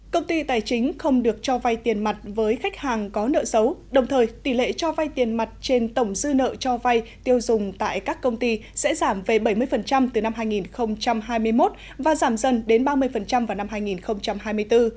công ty tài chính không được cho vay tiền mặt với khách hàng có nợ xấu đồng thời tỷ lệ cho vay tiền mặt trên tổng dư nợ cho vay tiêu dùng tại các công ty sẽ giảm về bảy mươi từ năm hai nghìn hai mươi một và giảm dần đến ba mươi vào năm hai nghìn hai mươi bốn